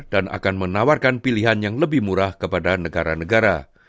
dan akan menawarkan pilihan yang lebih murah kepada negara negara